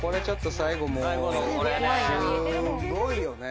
すーごいよね。